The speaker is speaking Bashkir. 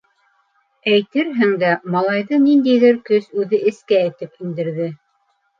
Әйтерһең дә, малайҙы ниндәйҙер көс үҙе эскә этеп индерҙе.